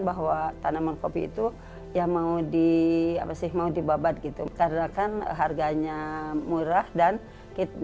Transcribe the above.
bahwa tanaman kopi itu ya mau di apa sih mau dibabat gitu karena kan harganya murah dan